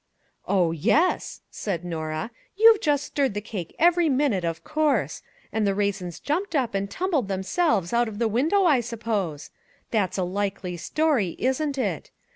" Oh, yes," said Norah ;" you've just stirred the cake every minute, of course; and the raisins jumped up and tumbled themselves out of the window, I suppose ! That's a likely story, isn't it?